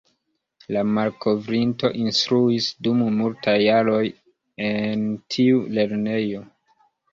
La malkovrinto instruis dum multaj jaroj en tiu lernejo.